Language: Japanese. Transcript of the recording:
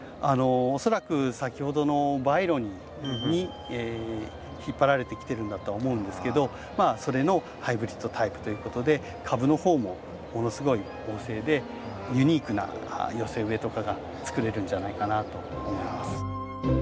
恐らく先ほどのバイロニーに引っ張られてきてるんだとは思うんですけどそれのハイブリッドタイプということで株の方もものすごい旺盛でユニークな寄せ植えとかが作れるんじゃないかなと思います。